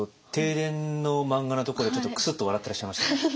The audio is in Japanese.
停電の漫画のところでちょっとクスッと笑ってらっしゃいました。